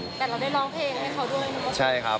เราได้ร้องเพลงด้วย